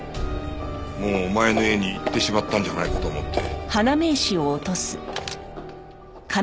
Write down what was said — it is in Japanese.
もうお前の家に行ってしまったんじゃないかと思って。